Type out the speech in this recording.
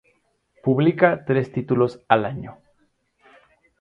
Publica tres títulos al año.